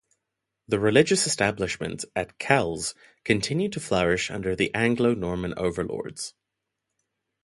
The religious establishments at Kells continued to flourish under their Anglo-Norman overlords.